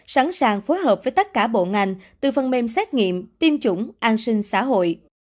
sẵn sàng phối hợp với tất cả bộ ngành từ phần mềm xét nghiệm tiêm chủng an sinh xã hội